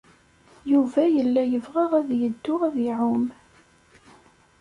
Yuba yella yebɣa ad yeddu ad iɛum.